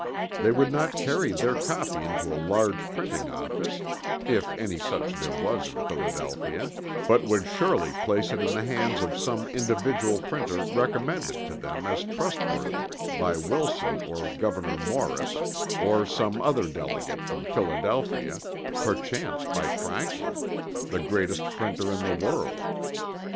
They would not carry their copy into a large printing office, if any such there was in Philadelphia, but would surely place it in the hands of some individual printer recommended to them as trustworthy by Wilson or Gouverneur Morris or some other delegate from Philadelphia, perchance by Franklin, the greatest printer in the world.